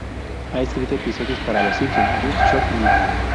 Ha escrito episodios para "Los Simpson", "Just Shoot Me!